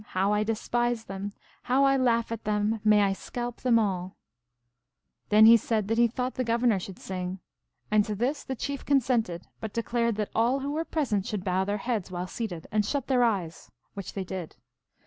How I despise them ! How I laugh at them ! May I scalp them all !" Then he said that he thought the Governor should ADVENTURES OF MASTER RABBIT. 219 sing. And to this the Chief consented, but declared that all who were present should bow their heads while seated, and shut their eyes, which they did.